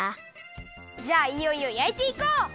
じゃあいよいよやいていこう！